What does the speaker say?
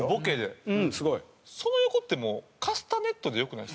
その横ってもうカスタネットでよくないですか？